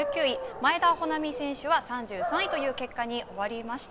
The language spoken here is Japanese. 前田穂南選手は３３位という結果に終わりました。